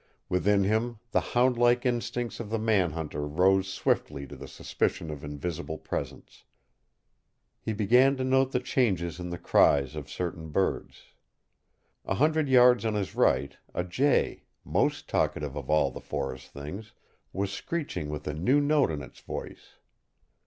Within him the hound like instincts of the man hunter rose swiftly to the suspicion of invisible presence. He began to note the changes in the cries of certain birds. A hundred yards on his right a jay, most talkative of all the forest things, was screeching with a new note in its voice.